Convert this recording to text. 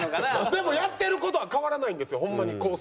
でもやってる事は変わらないんですよホンマに。